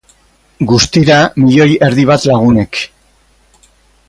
Guztira, milioi erdi bat lagunek.